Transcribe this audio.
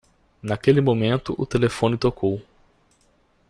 Naquele momento, o telefone tocou.